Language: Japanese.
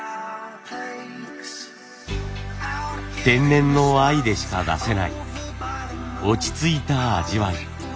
天然の藍でしか出せない落ち着いた味わい。